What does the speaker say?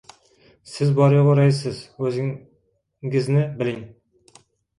Siz bor-yo‘g‘i raissiz, o‘zinpizni biling!